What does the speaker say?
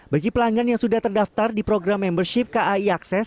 bagi pelanggan yang sudah terdaftar di program membership kai akses